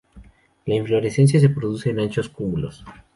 La inflorescencia se produce en anchos cúmulos.